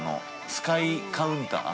スカイカウンター？